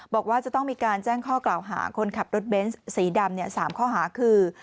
บอกว่าจะต้องมีการแจ้งข้อกล่าวหาคนขับรถเบนส์สีดำ๓ข้อหาคือ